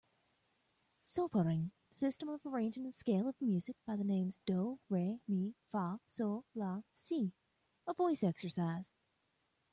Solfaing system of arranging the scale of music by the names do, re, mi, fa, sol, la, si a voice exercise